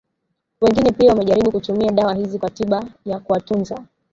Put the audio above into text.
Wengine pia wamejaribu kutumia dawa hizi kwa tiba ya kuwatunza